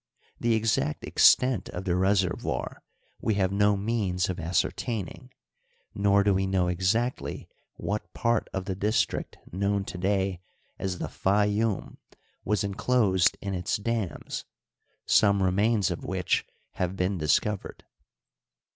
The exact extent of the reservoir we have no means of ascertaining, nor do we know exactly what part of the dis trict known to day as the Fayoum was inclosed in its dams, some remains of which have been discovered.